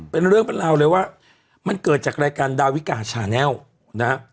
เป็นเรื่องเป็นราวเลยว่ามันเกิดจากรายการดาวิกาชาแนลนะฮะ